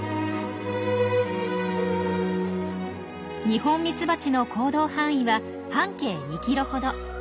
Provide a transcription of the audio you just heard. ニホンミツバチの行動範囲は半径２キロほど。